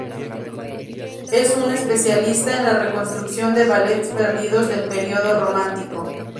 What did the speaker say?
Es un especialista en la reconstrucción de ballets perdidos del período romántico.